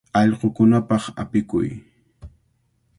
Allqukunapaq apikuy.